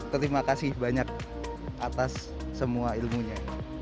terima kasih banyak atas semua ilmunya